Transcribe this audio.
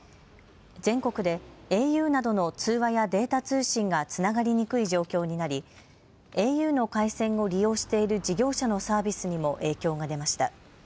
全国でａｕなどの通話やデータ通信がつながりにくい状況になり、ａｕの回線を利用している事業者のサービスにも影響が出ました。